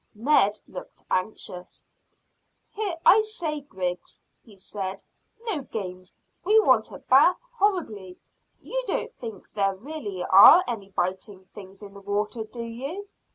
Ned looked anxious. "Here, I say, Griggs," he said. "No games. We want a bathe horribly. You don't think there really are any biting things in the water, do you?"